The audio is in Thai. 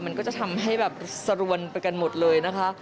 มันก็จะทำให้แบบสรวนไปกันหมดเลยนะคะ